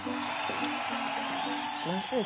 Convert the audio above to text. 「何してん？